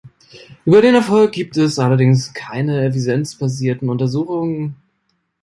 Über den Erfolg gibt es allerdings keine evidenzbasierten Untersuchungen.